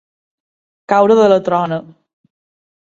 Caure de la trona.